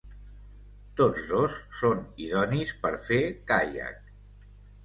Tots dos són idonis per fer caiac.